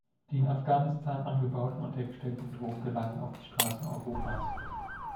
Die in Afghanistan angebauten und hergestellten Drogen gelangen auf die Straßen Europas.